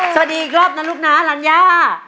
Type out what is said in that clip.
สวัสดีอีกรอบนะลูกนะรัญญา